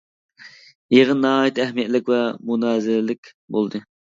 يىغىن ناھايىتى ئەھمىيەتلىك ۋە مۇنازىرىلىك بولدى.